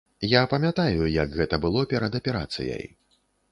Я памятаю, як гэта было перад аперацыяй.